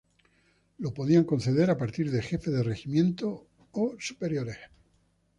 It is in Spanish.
Lo podían conceder a partir de jefe de regimientos o superiores.